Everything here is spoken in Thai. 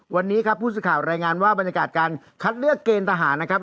วันนี้ครับผู้สื่อข่าวรายงานว่าบรรยากาศการคัดเลือกเกณฑ์ทหารนะครับ